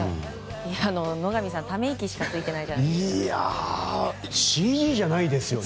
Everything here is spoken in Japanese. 野上さん、ため息しかついてないじゃないですか。